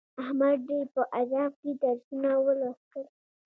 احمد ډېر په عذاب کې درسونه ولوستل.